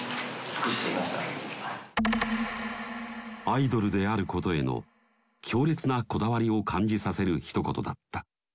アイドルであることへの強烈なこだわりを感じさせるひと言だった。